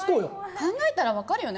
考えたら分かるよね